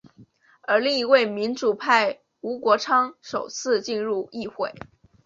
而另一位民主派吴国昌首次进入议会。